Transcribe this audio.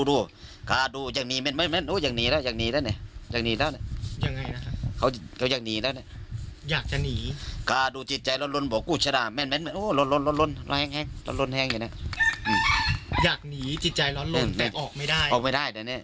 ลองดูว่าบ้านคนร้ายถูกตลอด